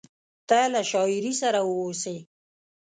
ته له شاعري سره واوسې…